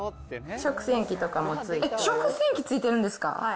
食洗機付いてるんですか？